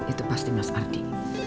itu pasti mas ardi